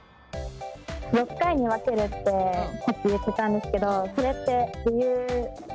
６回に分けるってさっき言ってたんですけどそれって理由とか。